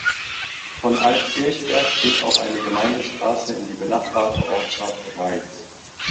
Von Alt-Kirchberg führt auch eine Gemeindestraße in die benachbarte Ortschaft Reith.